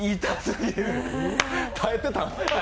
耐えてた？